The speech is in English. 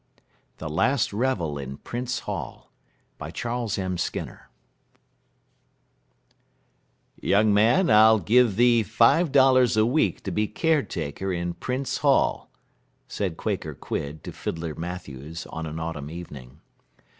THE LAST REVEL IN PRINTZ HALL "Young man, I'll give thee five dollars a week to be care taker in Printz Hall," said Quaker Quidd to fiddler Matthews, on an autumn evening.